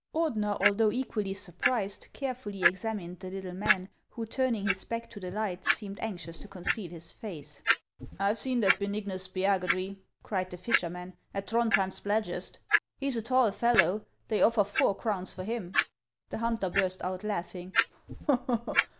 Ordener, although equally surprised, carefully examined the little man, who, turning his back to the light, seemed anxious to conceal his face. " 1 've seen that Benignus Spiagudry," cried the fisher man, " at Throndhjem Spladgest. He 's a tall fellow. They offer four crowns for him." The hunter burst out laughing.